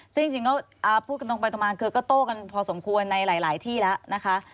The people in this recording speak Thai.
ซึ่งจริงก็พูดกันตรงไปตรงมาคือก็โต้กันพอสมควรในหลายที่แล้วนะคะ